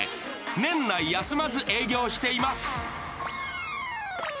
年内休まず営業しています。